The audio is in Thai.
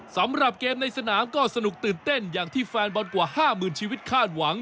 สำหรับเกมในสนามก็สนุกตื่นเต้นอย่างที่แฟนบอลกว่า๕๐๐๐ชีวิตคาดหวัง